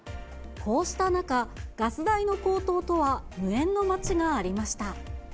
こうした中、ガス代の高騰とは無縁の町がありました。